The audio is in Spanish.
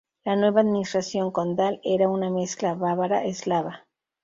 La nueva administración condal era una mezcla bávara-eslava.